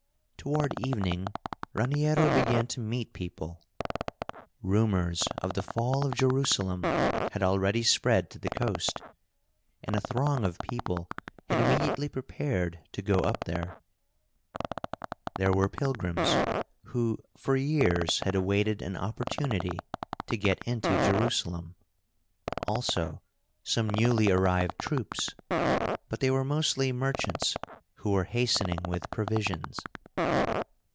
Toward evening Raniero began to meet people. Rumors of the fall of Jerusalem had already spread to the coast, and a throng of people had immediately prepared to go up there. There were pilgrims who for years had awaited an opportunity to get into Jerusalem, also some newly arrived troops; but they were mostly merchants who were hastening with provisions.